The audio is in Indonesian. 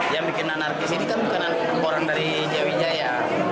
yang bikin anarkis ini kan bukan orang dari jawijaya